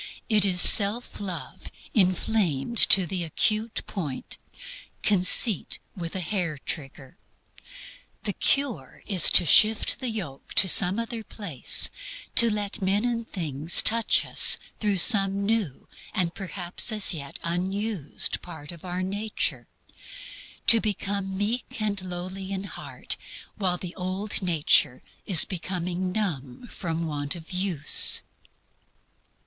It is self love inflamed to the acute point; conceit, with a hair trigger. The cure is to shift the yoke to some other place; to let men and things touch us through some new and perhaps as yet unused part of our nature; to become meek and lowly in heart while the old sensitiveness is becoming numb from want of use.